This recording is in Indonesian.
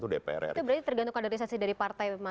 itu berarti tergantung kondorisasi dpr